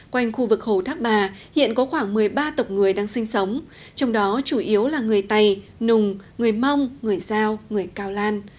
quanh khu vực hồ thác bà hiện có khoảng một mươi ba tộc người đang sinh sống trong đó chủ yếu là người tày nùng người mông người giao người cao lan